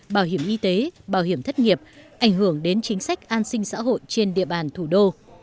bảo hiểm y tế bảo hiểm thất nghiệp ảnh hưởng đến chính sách an sinh xã hội trên địa bàn thủ đô